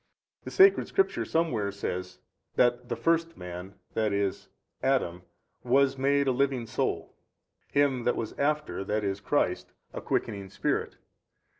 A. The sacred Scripture somewhere says, that the first man, i. e. Adam, WAS MADE a living soul. Him that was after, i. e. Christ, a quickening spirit.